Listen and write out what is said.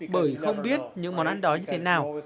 bởi không biết những món ăn đó như thế nào